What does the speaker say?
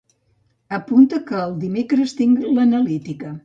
Apunta que el dimecres tinc l'analítica.